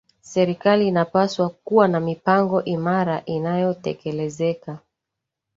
Serikali inapaswa kuwa na mipango imara inayotekelezeka